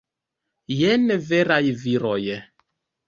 Jen veraj viroj!